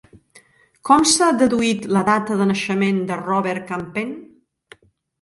Com s'ha deduït la data de naixement de Robert Campin?